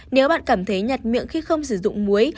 nếu bạn cảm thấy nhặt miệng khi không sử dụng muối